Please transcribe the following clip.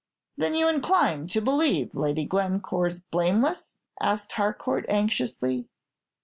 "Then you incline to believe Lady Glencore blameless?" asked Harcourt, anxiously.